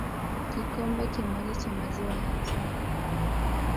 kikombe kimoja cha maziwa ya chai